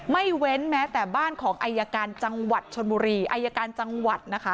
เว้นแม้แต่บ้านของอายการจังหวัดชนบุรีอายการจังหวัดนะคะ